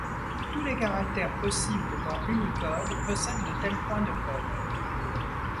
Tous les caractères possibles dans Unicode possèdent de tels points de code.